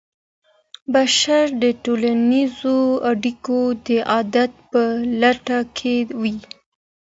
بشر د ټولنيزو اړيکو د علت په لټه کي وي.